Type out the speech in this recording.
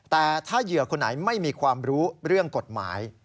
แต่ถ้าเหยื่อคนไหนไม่มีความรู้เรื่องกฎหมาย